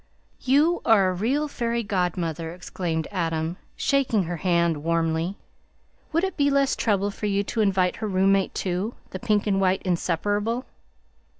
"You are a real fairy godmother!" exclaimed Adam, shaking her hand warmly. "Would it be less trouble for you to invite her room mate too, the pink and white inseparable?"